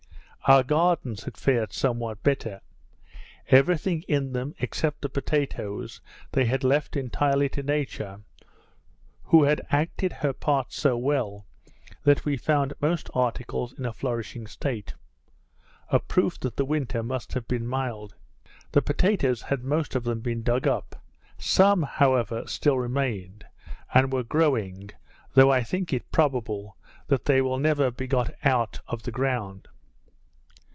Our gardens had fared somewhat better. Every thing in them, except the potatoes, they had left entirely to nature, who had acted her part so well, that we found most articles in a flourishing state: A proof that the winter must have been mild. The potatoes had most of them been dug up; some, however, still remained, and were growing, though I think it is probable they will never be got out of the ground.